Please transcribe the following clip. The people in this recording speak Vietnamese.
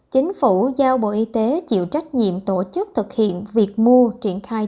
chính phủ giao bộ y tế chịu trách nhiệm tổ chức thực hiện việc mua triển khai